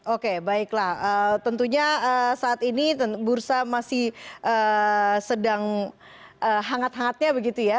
oke baiklah tentunya saat ini bursa masih sedang hangat hangatnya begitu ya